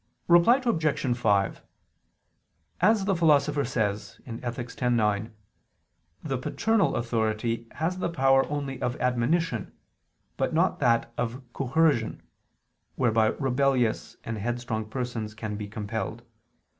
Reply Obj. 5: As the Philosopher says (Ethic. x, 9), the paternal authority has the power only of admonition; but not that of coercion, whereby rebellious and headstrong persons can be compelled.